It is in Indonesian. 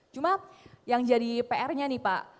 cuma yang jadi prnya nih pak